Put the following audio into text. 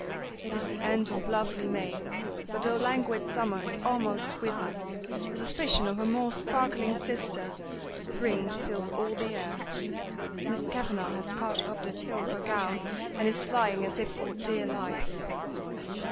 It is the end of lovely May, but though languid Summer is almost with us, a suspicion of her more sparkling sister Spring fills all the air. Miss Kavanagh has caught up the tail of her gown, and is flying as if for dear life.